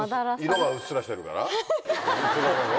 色がうっすらしてるからうすらなの？